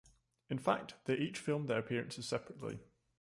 In fact, they each filmed their appearances separately.